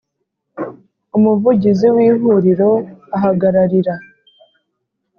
umuvugizi w ihuriro Ahagararira